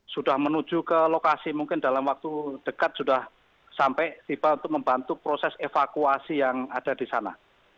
sudah menuju ke lokasi mungkin dalam waktu dekat sudah sampai tiba untuk membantu proses evakuasi yang ada di sana